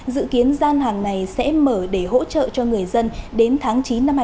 dự kiến gian hàng này sẽ mở để hỗ trợ cho người dân đến tháng chín năm hai nghìn hai mươi